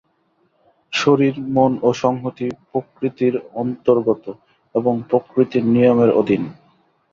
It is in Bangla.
শরীর, মন ও সংহতি প্রকৃতির অন্তর্গত এবং প্রকৃতির নিয়মের অধীন।